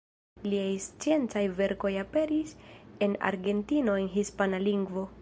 Liaj sciencaj verkoj aperis en Argentino en hispana lingvo.